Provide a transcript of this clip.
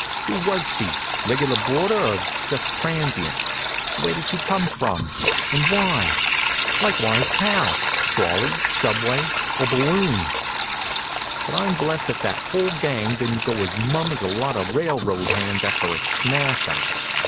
Who was she regular boarder, or just transient? Where did she come from? And why? Likewise how, trolley, subway, or balloon? But I'm blessed if that whole gang didn't go as mum as a lot of railroad hands after a smash up.